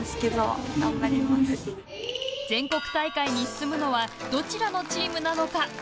全国大会に進むのはどちらのチームなのか。